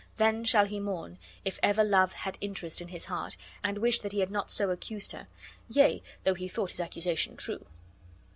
Then shall he mourn, if ever love had interest in his heart, and wish that be had not so accused her; yea, though he thought his accusation true."